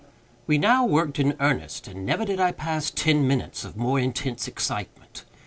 We now worked in earnest, and never did I pass ten minutes of more intense excitement.